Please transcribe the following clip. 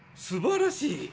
すばらしい！